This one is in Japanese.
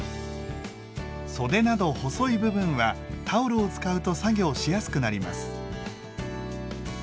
袖など細い部分はタオルを使うと作業しやすくなります。